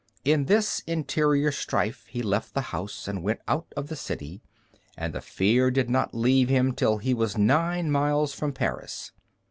In this interior strife he left the house and went out of the city, and the fear did not leave him till he was nine miles from Paris.